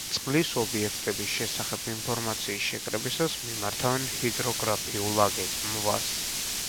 წყლის ობიექტების შესახებ ინფორმაციის შეკრებისას მიმართავენ ჰიდროგრაფიულ აგეგმვას.